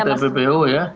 tentu tppu ya